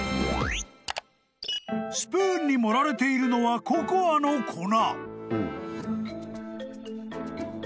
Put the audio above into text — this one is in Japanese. ［スプーンに盛られているのはココアの粉］